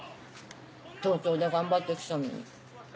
東京で頑張ってきたのに。